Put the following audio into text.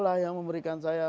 lah yang memberikan saya